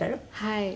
はい。